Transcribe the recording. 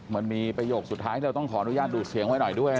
มันมีประโยคสุดท้ายที่เราต้องขออนุญาตดูดเสียงไว้หน่อยด้วย